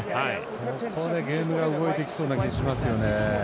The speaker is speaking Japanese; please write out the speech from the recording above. ここでゲームが動いてきそうな気がしますよね。